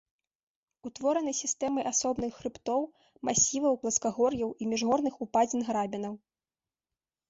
Утвораны сістэмай асобных хрыбтоў, масіваў, пласкагор'яў і міжгорных упадзін-грабенаў.